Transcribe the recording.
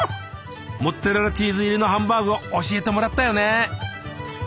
モッツァレラチーズ入りのハンバーグを教えてもらったよね。